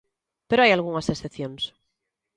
Pero hai algunhas excepcións.